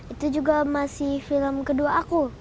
itu juga masih film kedua aku